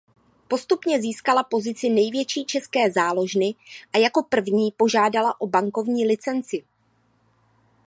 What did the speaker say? Postupně získala pozici největší české záložny a jako první požádala o bankovní licenci.